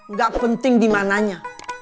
nggak penting di mananya